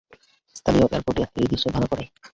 স্থানীয় এয়ারপোর্টে এই দৃশ্য ধরা পড়ে।